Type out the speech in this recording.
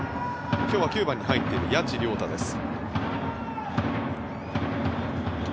今日は９番に入っている谷内亮太です。